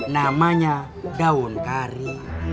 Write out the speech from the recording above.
namanya daun kari